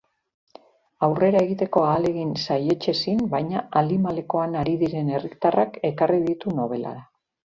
Aurrera egiteko ahalegin saihetsezin baina alimalekoan ari diren herritarrak ekarri ditu nobelara.